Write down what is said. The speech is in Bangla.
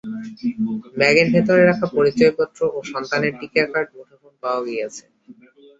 ব্যাগের ভেতর রাখা পরিচয়পত্র ও সন্তানের টিকা কার্ড, মুঠোফোন পাওয়া গেছে।